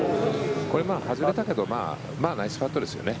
これ、外れたけどナイスパットですよね。